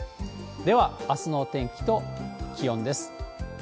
では、あすのお天気と気温です。